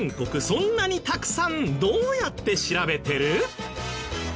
そんなにたくさんどうやって調べてる？